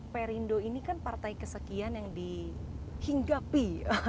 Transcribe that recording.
perindo ini kan partai kesekian yang dihinggapi